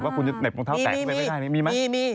คุณจะเห็บรองเท้าแตกขึ้นไปไม่ได้มีไหม